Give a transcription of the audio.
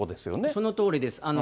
そのとおりです。